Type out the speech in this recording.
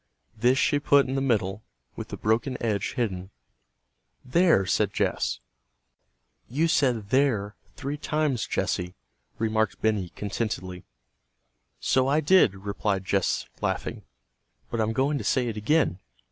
This she put in the middle, with the broken edge hidden. "There!" said Jess. "You said 'there' three times, Jessy," remarked Benny, contentedly. "So I did," replied Jess laughing, "but I'm going to say it again."